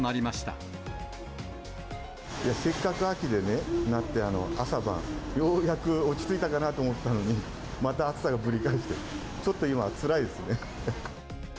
せっかく秋でね、なって、朝晩、ようやく落ち着いたかなと思ったのに、また暑さがぶり返して、ちょっと今、つらいですね。